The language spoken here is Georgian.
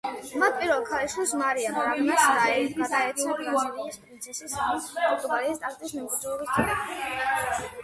მათ პირველ ქალიშვილს, მარია ბრაგანსას გადაეცა ბრაზილიის პრინცესის, ანუ პორტუგალიის ტახტის მემკვიდრის წოდება.